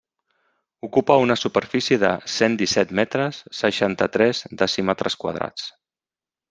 Ocupa una superfície de cent disset metres, seixanta-tres decímetres quadrats.